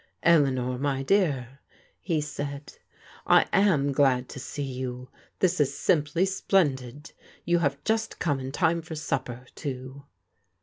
" Eleanor, my dear," he said, " I am glad to see you. This is simply splendid ! You have just come in time for supper, too."